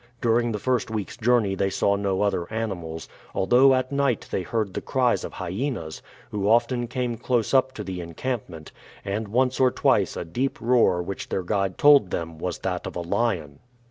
During the first week's journey they saw no other animals; although at night they heard the cries of hyenas, who often came close up to the encampment, and once or twice a deep roar which their guide told them was that of a lion.